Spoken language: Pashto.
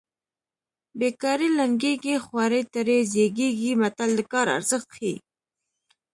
بې کاري لنګېږي خواري ترې زېږېږي متل د کار ارزښت ښيي